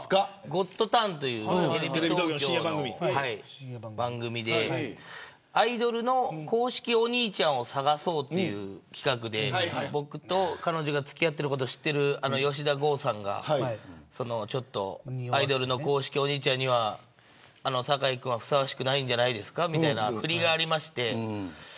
ゴッドタンという深夜番組でアイドルの公式お兄ちゃんを捜そうという企画で僕と彼女が付き合ってることを知ってる吉田豪さんがアイドルの公式お兄ちゃんには坂井君はふさわしくないんじゃないですかみたいなふりがありまして。